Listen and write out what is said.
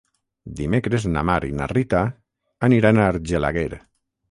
Dimecres na Mar i na Rita aniran a Argelaguer.